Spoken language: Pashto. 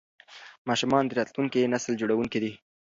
ماشومان د راتلونکي نسل جوړونکي دي.